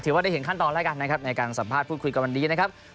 ถือว่าได้เห็นขั้นตอนรายการในการสัมภาษณ์พูดคุยกับวันนี้นะครับ